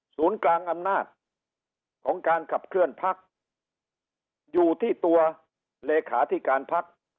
ศูนย์กลางอำนาจของการขับเคลื่อนพักอยู่ที่ตัวเลขาธิการพัก